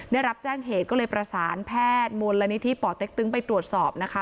ได้รับแจ้งเหตุก็เลยประสานแพทย์มูลนิธิป่อเต็กตึงไปตรวจสอบนะคะ